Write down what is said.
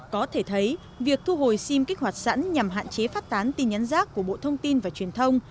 có thể thấy việc thu hồi sim kích hoạt sẵn nhằm hạn chế phát tán tin nhắn rác của bộ thông tin và truyền thông